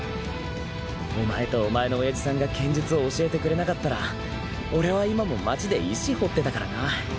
お前とお前のおやじさんが剣術を教えてくれなかったら俺は今も町で石掘ってたからな。